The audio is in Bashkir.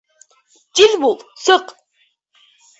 Тиҙ бул, сыҡ!